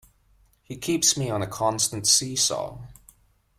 He keeps me on a constant see-saw.